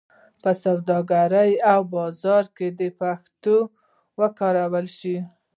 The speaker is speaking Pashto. په سوداګرۍ او بازار کې دې پښتو وکارول شي.